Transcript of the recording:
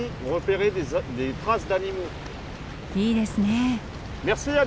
いいですね。